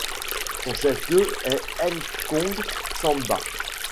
Son chef-lieu est Nkongsamba.